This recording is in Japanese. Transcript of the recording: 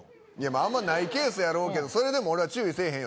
あんまないケースやろうけどそれでも俺は注意せえへんよ